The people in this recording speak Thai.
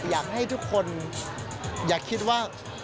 อยากให้ทุกคนอย่าคิดว่า